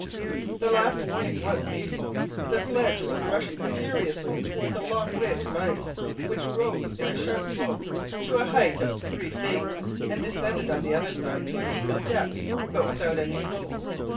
The last warning was needful. The sledge was rushing furiously toward a long ridge of ice which rose in a sharp slope to a height of three feet, and descended on the other side to an equal depth, but without any slope.